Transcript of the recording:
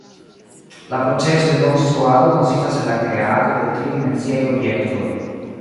La procezo de konstruado konsistas el la kreado de tri-dimensiaj objektoj.